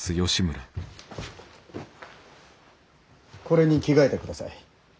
これに着替えてください。